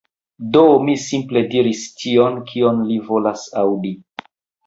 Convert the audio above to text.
Do mi simple diris tion, kion li volas aŭdi.